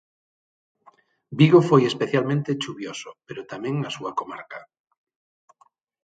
Vigo foi especialmente chuvioso, pero tamén a súa comarca.